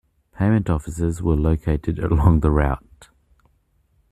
Payment offices were located along the route.